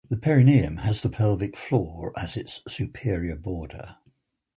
The perineum has the pelvic floor as its superior border.